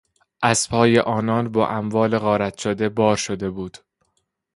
اسبهای آنان با اموال غارت شده بار شده بود.